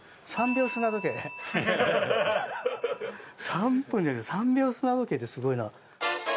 ３分じゃなくって３秒砂時計ってすごいな。